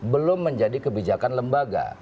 belum menjadi kebijakan lembaga